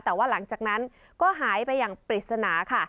แต่ว่าหลังจากนั้นก็หายไปอย่างปริศนาค่ะ